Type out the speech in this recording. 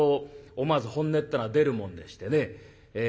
思わず本音ってのは出るもんでしてね。